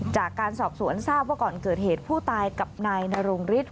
จากการสอบสวนทราบว่าก่อนเกิดเหตุผู้ตายกับนายนรงฤทธิ